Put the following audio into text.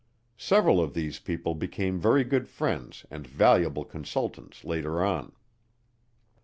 Several of these people became very good friends and valuable consultants later on.